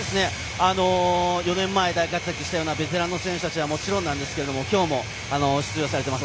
４年前大活躍したようなベテランの選手はもちろんですが今日も出場されています